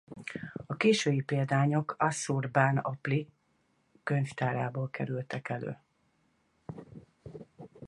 A késői példányok Assur-bán-apli könyvtárából kerültek elő.